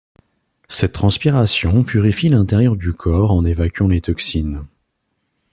Cette transpiration purifie l'intérieur du corps en évacuant les toxines.